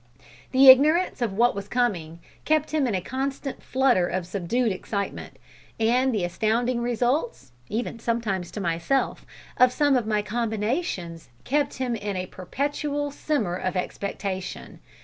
The ignorance of what was coming kept him in a constant flutter of subdued excitement, and the astounding results (even sometimes to myself) of some of my combinations, kept him in a perpetual simmer of expectation.